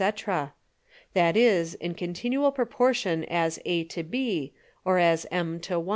_ That is, in continual proportion as A to B, or as m to 1.